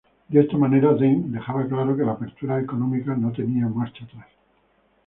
De esta manera, Deng dejaba claro que la apertura económica no tenía marcha atrás.